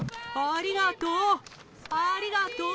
ありがとう！